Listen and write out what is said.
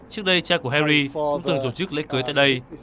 trước đây cha của herry cũng từng tổ chức lễ cưới tại đây